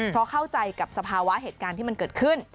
เพราะเข้าใจกับสภาวะเหตุการณ์ที่มันเกิดขึ้น